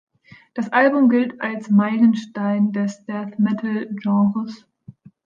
Das Album gilt als Meilenstein des Death-Metal-Genres.